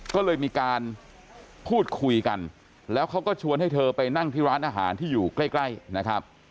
ก็เลยมีการพูดคุยกันแล้วเขาก็ชวนให้เธอไปนั่งที่ร้านอาหารที่อยู่ใกล้นะครับ